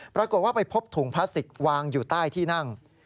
ปรากฏว่าไปพบถุงพลาสติกวางอยู่ใต้ที่นั่ง